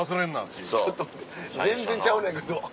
ちょっと全然ちゃうねんけど。